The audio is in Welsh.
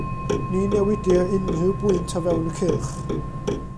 Ni newidir unrhyw bwynt o fewn y cylch.